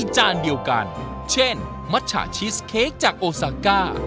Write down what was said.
จานเดียวกันเช่นมัชฉะชีสเค้กจากโอซาก้า